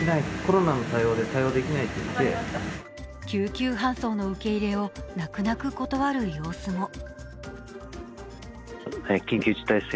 救急搬送の受け入れを泣く泣く断る様子も。